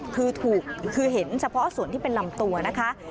คือถูกคือเห็นเฉพาะส่วนที่เป็นลำตัวนะคะ